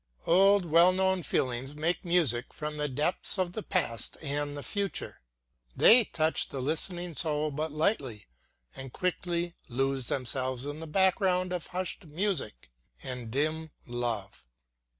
Old, well known feelings make music from the depths of the past and the future. They touch the listening spirit but lightly, and quickly lose themselves in the background of hushed music and dim love.